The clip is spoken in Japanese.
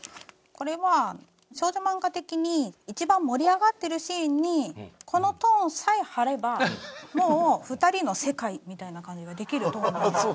これは少女漫画的に一番盛り上がってるシーンにこのトーンさえ貼ればもう２人の世界みたいな感じができるトーンなんです。